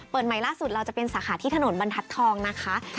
ใหม่ล่าสุดเราจะเป็นสาขาที่ถนนบรรทัศน์ทองนะคะ